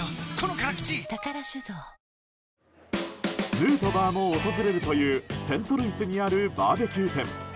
ヌートバーも訪れるというセントルイスにあるバーベキュー店。